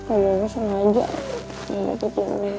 abah mau sengaja nyakitin neng